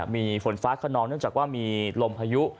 มีฝนฟ้าขนองเนื่องจากว่ามีลมพายุ